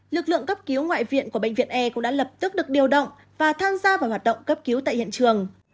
lực lượng cấp cứu ngoại viện của bệnh viện e cũng đã lập tức được điều động và tham gia vào hoạt động cấp cứu tại hiện trường